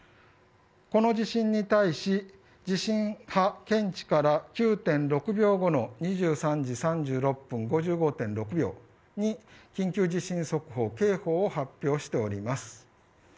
この地震に対し地震検知から９．６秒後の２３時３６分５５．６秒に緊急地震速報警報を発表しております。